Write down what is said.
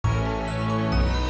oh ya allah